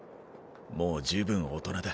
もう十分大人だ。